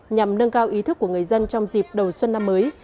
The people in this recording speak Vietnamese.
nhằm nâng cao ý thức của người dân trong dịp đầu xuân năm mới